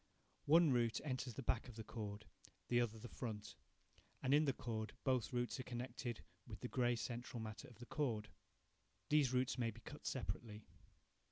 One root enters the back of the cord, the other the front, and, in the cord, both roots are connected with the grey central matter of the cord. These roots may be cut separately.